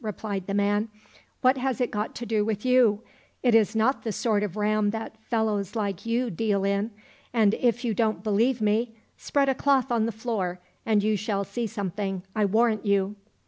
" replied the man ;" what has it got to do with you } It is not the sort of ram that fellows like you deal in. And if you don't believe me, spread a cloth on the floor and you shall see something, I warrant you."